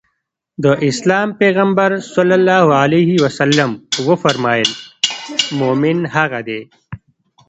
د اسلام پيغمبر ص وفرمايل مومن هغه دی.